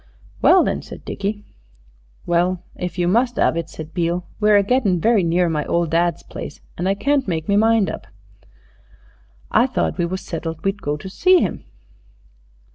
"Well, then?" said Dickie. "Well, if you must 'ave it," said Beale, "we're a gettin' very near my ole dad's place, and I can't make me mind up." "I thought we was settled we'd go to see 'im."